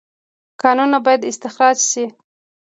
کانونه باید استخراج شي